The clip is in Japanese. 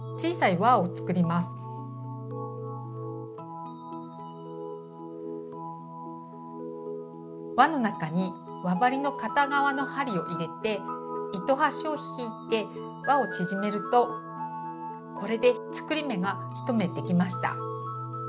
輪の中に輪針の片側の針を入れて糸端を引いて輪を縮めるとこれで作り目が１目できました。